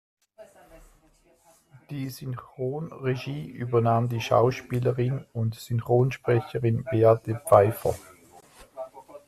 Die Synchronregie übernahm die Schauspielerin und Synchronsprecherin Beate Pfeiffer.